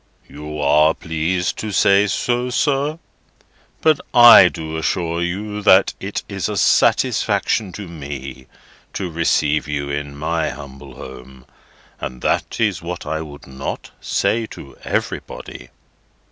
"You are pleased to say so, sir. But I do assure you that it is a satisfaction to me to receive you in my humble home. And that is what I would not say to everybody."